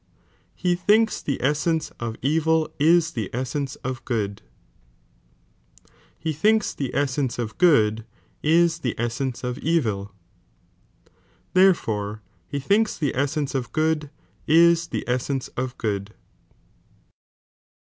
He iMiiks the eantnce of eiil is ths essence of good C B He thinks (he essence o( good is the essence o( evil C A .'. He Ihinka the essence of gaud ia the essence of gaod.